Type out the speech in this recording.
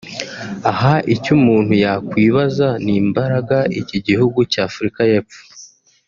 Aha icyo umuntu yakwibaza n’imbaraga iki gihugu cy’Afurika y’Epfo